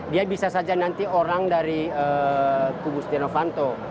dia bisa saja nanti orang dari kubu stianovanto